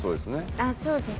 あっそうですね。